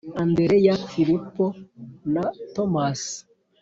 Andereya filipo na tomasi